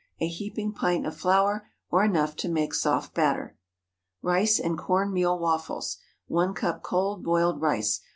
A heaping pint of flour, or enough to make soft batter. RICE AND CORN MEAL WAFFLES. 1 cup cold boiled rice.